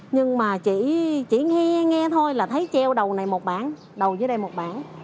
nhưng mà chỉ nghe nghe thôi là thấy treo đầu này một bảng đầu dưới đây một bảng